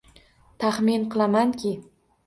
Tahmin qilamanki